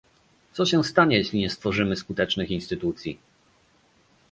Co się stanie, jeśli nie stworzymy skutecznych instytucji?